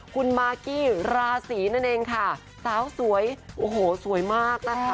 คุณมากกี้ราศีนั่นเองค่ะสาวสวยโอ้โหสวยมากนะคะ